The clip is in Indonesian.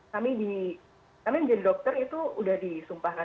kami di kami menjadi dokter itu sudah disumpahkan